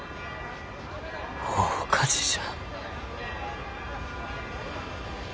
大火事じゃ。